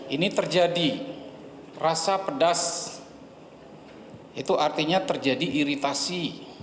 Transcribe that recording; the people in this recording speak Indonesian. ini terjadi rasa pedas itu artinya terjadi iritasi